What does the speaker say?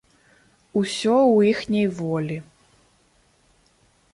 Усё ў іхняй волі.